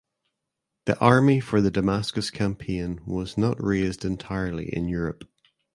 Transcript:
The army for the Damascus campaign was not raised entirely in Europe.